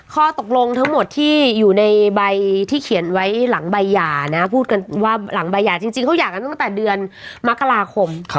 ข้อตกลงทั้งหมดที่อยู่ในใบที่เขียนไว้หลังใบหย่านะพูดกันว่าหลังใบหย่าจริงเขาหย่ากันตั้งแต่เดือนมกราคม